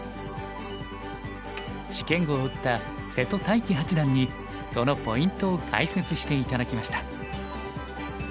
試験碁を打った瀬戸大樹八段にそのポイントを解説して頂きました。